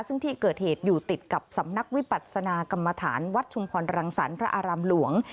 ซึ่งที่เกิดเหตุอยู่ติดกับสำนักวิปัศนากรรมฐานวัดชุมพรรังสรรค์พระอารามหลวง